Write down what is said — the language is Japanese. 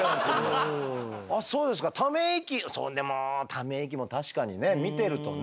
ため息そうでもため息も確かにね見てるとね。